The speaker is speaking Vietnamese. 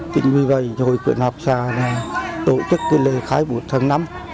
vì vậy hội quyền học xa tổ chức lễ khai bút tháng năm